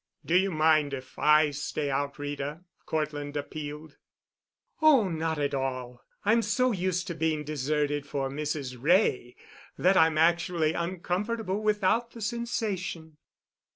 "Do you mind if I stay out, Rita?" Cortland appealed. "Oh, not at all, I'm so used to being deserted for Mrs. Wray that I'm actually uncomfortable without the sensation."